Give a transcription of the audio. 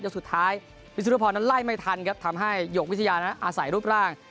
สุดท้ายวิสุนุพรนั้นไล่ไม่ทันครับทำให้หยกวิทยานั้นอาศัยรูปร่าง